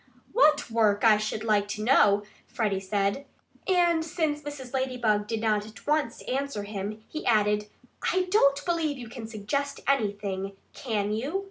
"What work, I should like to know " Freddie said. And since Mrs. Ladybug did not at once answer him, he added: "I don't believe you can suggest anything can you?"